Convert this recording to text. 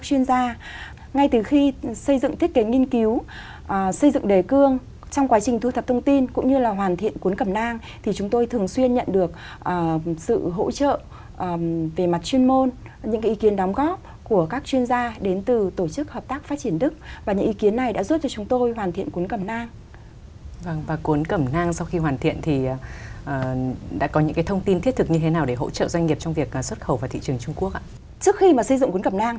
trước khi xây dựng cuốn cẩm nang thì chúng tôi cũng đã phải hỏi các bạn